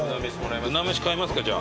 うな飯買いますかじゃあ。